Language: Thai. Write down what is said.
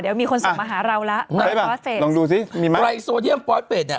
เดี๋ยวมีคนส่งมาหาเราแล้วในฟอสเฟสลองดูสิมีไหมไรโซเดียมฟอสเฟสเนี่ย